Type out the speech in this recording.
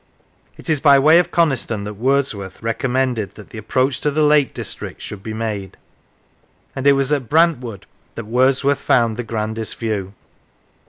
It is by way of Coniston that Wordsworth recommended 148 The Lakes that the approach to the Lake District should be made, and it was at Brantwood that Wordsworth found the grandest view.